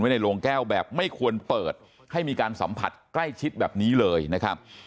ในโรงแก้วแบบไม่ควรเปิดให้มีการสัมผัสใกล้ชิดแบบนี้เลยนะครับ